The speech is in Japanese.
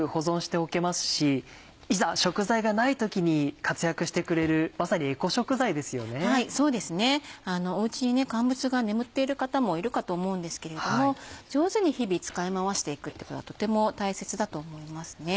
おうちに乾物が眠っている方もいるかと思うんですけれども上手に日々使い回していくってことがとても大切だと思いますね。